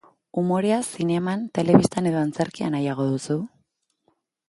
Umorea, zineman, telebistan edo antzerkian nahiago duzu?